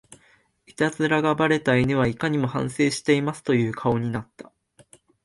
イタズラがバレた犬はいかにも反省してますという顔になった